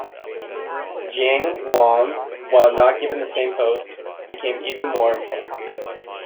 Jiang Wan, while not given the same post, became even more important.